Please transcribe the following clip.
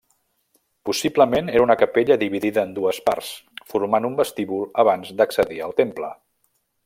Possiblement era una capella dividida en dues parts, formant un vestíbul abans d'accedir al temple.